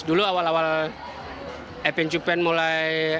dulu awal awal epen cupen mulai di youtube itu masih bagus